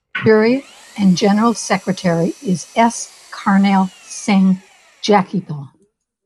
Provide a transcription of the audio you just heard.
Khajuria and general secretary is S. Karnail Singh Jakhepal.